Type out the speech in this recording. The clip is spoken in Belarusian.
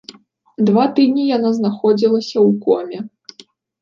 Два тыдні яна знаходзілася ў коме.